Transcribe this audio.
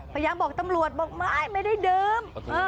พยายามบอกตำรวจบอกไม่ไม่ได้ดื่ม